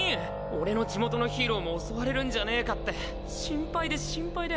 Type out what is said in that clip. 俺の地元のヒーローも襲われるんじゃねぇかって心配で心配で。